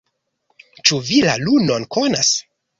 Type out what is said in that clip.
Ĉu vi la lunon konas?